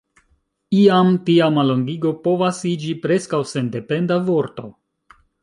Iam tia mallongigo povas iĝi preskaŭ sendependa vorto.